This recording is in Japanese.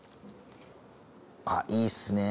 あっいいっすね。